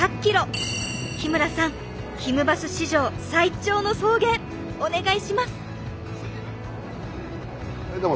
日村さんひむバス史上最長の送迎お願いします！